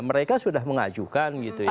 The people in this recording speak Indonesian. mereka sudah mengajukan gitu ya